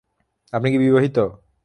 আপনি কি বিবাহিত?